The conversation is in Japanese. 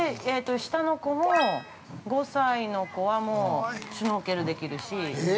◆下の子も、５歳の子はもうシュノーケルできるし。